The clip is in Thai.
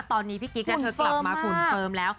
ตอนนี้พี่กิ๊กเธอกลับมาฝุ่นเฟิร์มแล้ว